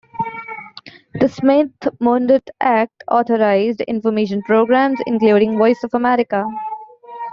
The Smith-Mundt Act authorized information programs, including Voice of America.